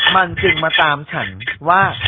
มันจึงมาตามฉันว่า